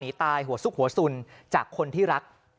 หนีตายหัวซุกหัวสุนจากคนที่รัก